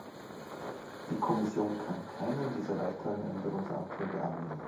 Die Kommission kann keinen dieser weiteren Änderungsanträge annehmen.